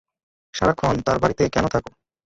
সারাক্ষণ তার বাড়িতে কেন থাকো?